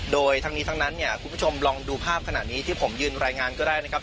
โดยทั้งนี้ทั้งนั้นเนี่ยคุณผู้ชมลองดูภาพขนาดนี้ที่ผมยืนรายงานก็ได้นะครับ